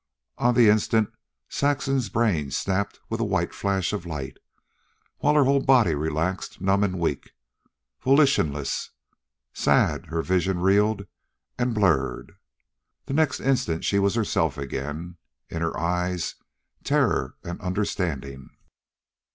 On the instant Saxon's brain snapped with a white flash of light, while her whole body relaxed, numb and weak, volitionless, sad her vision reeled and blurred. The next instant she was herself again, in her eyes terror and understanding.